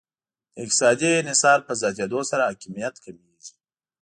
د اقتصادي انحصار په زیاتیدو سره حاکمیت کمیږي